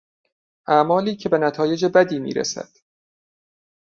اعمالی که به نتایج بدی میرسد